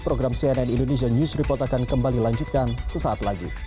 program cnn indonesia news report akan kembali lanjutkan sesaat lagi